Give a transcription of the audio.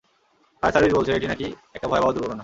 Fire service বলছে, এটি নাকি একটা ভয়াবহ দুর্ঘটনা।